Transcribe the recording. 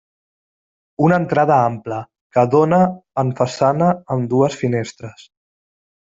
Una entrada ampla, que dóna en façana amb dues finestres.